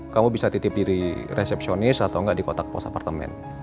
kamu bisa titip diri resepsionis atau nggak di kotak pos apartemen